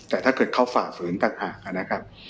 แต่ถ้าเกิดเขาฝ่าฝืนต่างหากนะครับ